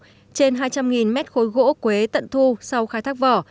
trên hai trăm linh mét khối gỗ quế tận thu sau khai thác vỏ